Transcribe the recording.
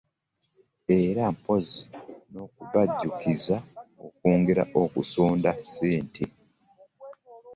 Era mpozzi n'okubajjukiza okwongera okusonda ssente